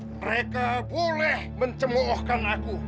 mereka boleh mencemukkan aku